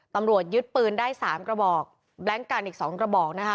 ตำรวจยึดปืนได้สามกระบอกแบล็งกันอีกสองกระบอกนะคะ